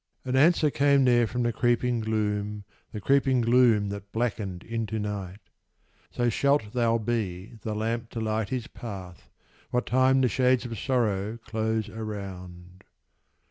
And answer came there from the creeping gloom, The creeping gloom that blackened into night: "So shalt thou be the lamp to light his path, What time the shades of sorrow close around."